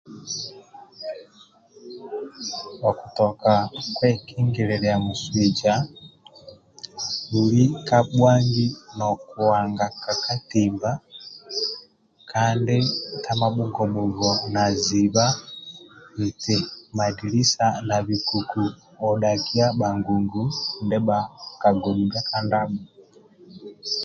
Okutoka kwekingililia musuija buli ka bhuangi nokuanga ka katimba kandi tamabhugobhugo na ziba ntin madilisa na bikuku odhakia ndia bhakagodhimbe ka ndabho